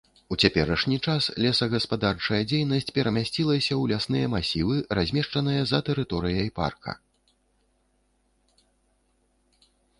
У цяперашні час лесагаспадарчая дзейнасць перамясцілася ў лясныя масівы, размешчаныя за тэрыторыяй парка.